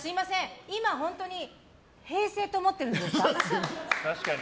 今、本当に平成と思ってるんですか？